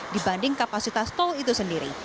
dibanding kapasitas tol itu sendiri